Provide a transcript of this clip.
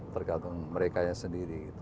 tergantung merekanya sendiri gitu